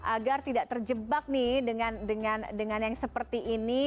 agar tidak terjebak nih dengan yang seperti ini